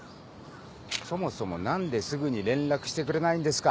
そもそも何ですぐに連絡してくれないんですか？